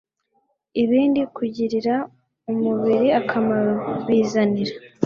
ibindi kugirira umubiri akamaro. Bizanira